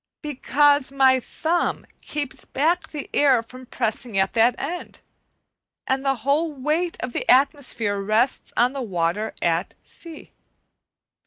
Because my thumb keeps back the air from pressing at that end, and the whole weight of the atmosphere rests on the water at the other end.